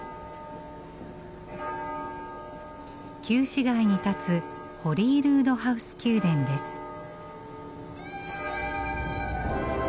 旧市街に立つホリールードハウス宮殿です。